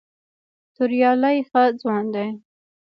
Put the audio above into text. توریالی ښه ځوان دی.